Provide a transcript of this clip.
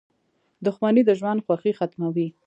• دښمني د ژوند خوښي ختموي.